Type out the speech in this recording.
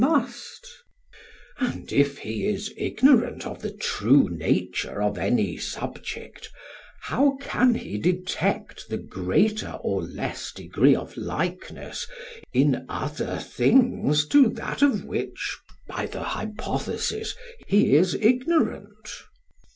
SOCRATES: And if he is ignorant of the true nature of any subject, how can he detect the greater or less degree of likeness in other things to that of which by the hypothesis he is ignorant?